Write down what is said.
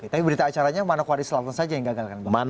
tapi berita acaranya manokwari selatan saja yang gagalkan